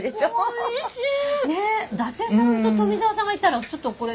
おいしい！